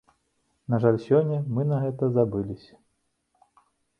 На жаль, сёння мы на гэта забыліся.